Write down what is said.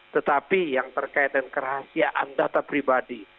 tetapi yang terkait dengan kerahasiaan data pribadi